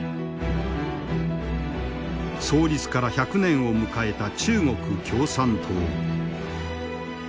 創立から１００年を迎えた中国共産党。